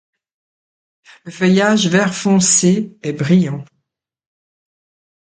Le feuillage vert foncé est brillant.